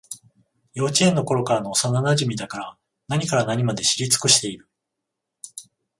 幼稚園のころからの幼なじみだから、何から何まで知り尽くしている